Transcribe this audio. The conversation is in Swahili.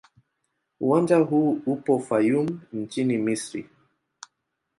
Uwanja huu upo Fayoum nchini Misri.